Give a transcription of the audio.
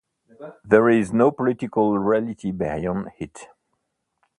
There is no political reality beyond it.